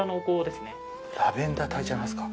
ラベンダーたいちゃいますか。